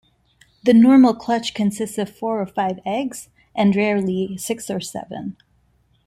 The normal clutch consists of four or five eggs, and rarely six or seven.